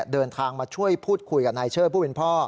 เดินทางมาช่วยพูดคุยกับนายเชิดผู้เป็นพ่อ